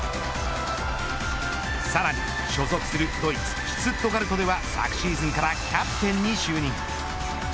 さらに所属するドイツシュツットガルトでは昨シーズンからキャプテンに就任。